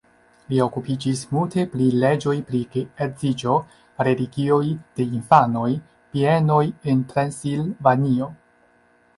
Li okupiĝis multe pri leĝoj pri geedziĝo, religioj de infanoj, bienoj en Transilvanio.